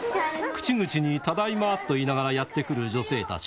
口々にただいまと言いながらやって来る女性たち。